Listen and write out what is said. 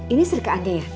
ini serikah aja ya